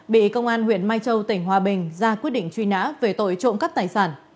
bị công an huyện mai châu tỉnh hòa bình ra quyết định truy nã về tội trộm cắt tài sản